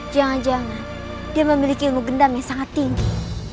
jangan jangan dia memiliki ilmu gendam yang sangat tinggi